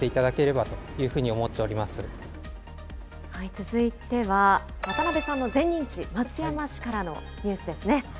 続いては渡部さんの前任地、松山市からのニュースですね。